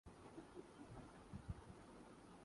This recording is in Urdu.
یہ قربت نان موومنٹ کو کسی موومنٹ میں بدل سکتی ہے۔